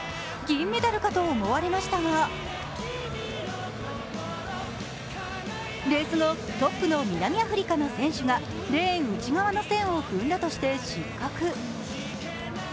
銀メダルかと思われましたがレース後、トップの南アフリカの選手がレーン内側の線を踏んだとして失格。